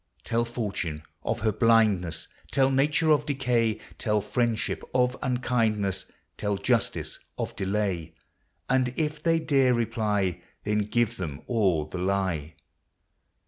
Tell fortune of her blindnesse ; Tell nature of decay ; LIFE. 229 Tell friendship of unkindnesse ; Tell justice of delay ; And if they dare reply, Then give them all the lye.